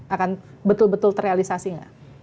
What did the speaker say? akan betul betul terrealisasi nggak